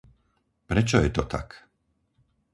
Prečo je to tak?